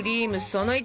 その１。